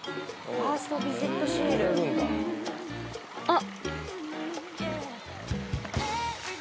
あっ。